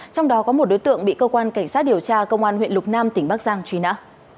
trong đó có một đối tượng bị cơ quan cảnh sát điều tra công an huyện lục nam tỉnh bắc giang truy nã